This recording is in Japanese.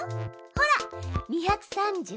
ほら２３３。